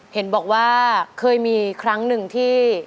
เห็นบอกว่าเคยมีครั้งหนึ่งที่